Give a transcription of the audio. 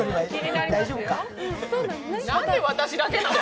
なんで私だけなの？